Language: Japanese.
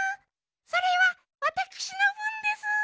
それはわたくしのぶんでスー。